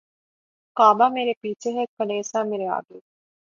کعبہ مرے پیچھے ہے کلیسا مرے آگے